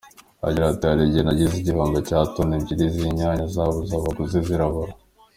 Agira ati "Hari igihe nagize igihombo cya toni ebyiri z’inyanya zabuze abaguzi zirabora.